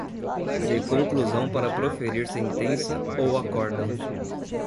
de conclusão para proferir sentença ou acórdão